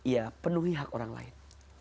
ya penuhi hak orang lain